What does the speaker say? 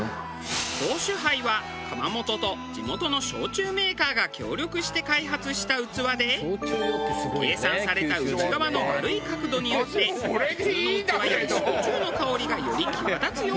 香酒盃は窯元と地元の焼酎メーカーが協力して開発した器で計算された内側の丸い角度によって普通の器より焼酎の香りがより際立つようになっている。